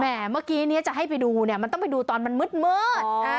แหม่เมื่อกี้จะให้ไปดูมันต้องไปดูตอนมันมืด